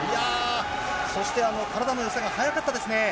そして体の寄せが速かったですね。